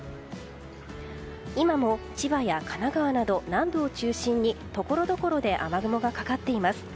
今も千葉や神奈川など南部を中心にところどころで雨雲がかかっています。